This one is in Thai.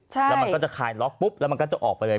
แล้วมันก็จะคลายล็อกปุ๊บแล้วมันก็จะออกไปเลย